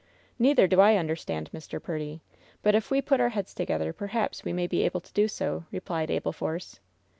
. "Neither do I understand, Mr. Purdy ; but if we put our heads together perhaps we may be able to do so," replied Abel Force.